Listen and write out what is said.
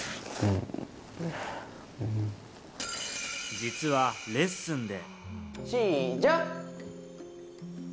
実はレッスンで。